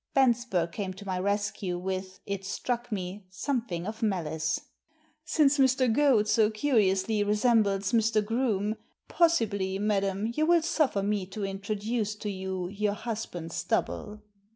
Bensberg came to my rescue with, it struck me, something of malice. ^ Since Mr. Goad so curiously resembles Mr. Groome, possibly, madam, you will suffer me to introduce to you your husband's double?"